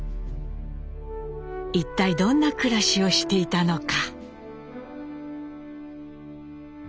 一体どんな暮らしをしていたのか？